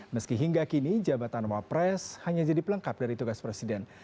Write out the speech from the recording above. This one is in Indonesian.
meski hingga kini jabatan wapres hanya jadi pelengkap dari tugas presiden